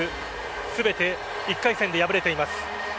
全て１回戦で敗れています。